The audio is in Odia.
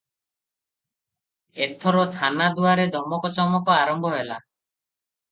ଏଥର ଥାନା ଦୁଆରେ ଧମକ ଚମକ ଆରମ୍ଭ ହେଲା ।